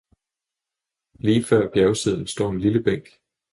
Lige før bjergsiden står en lille bænk.